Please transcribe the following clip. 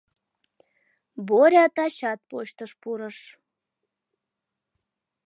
Боря тачат почтыш пурыш.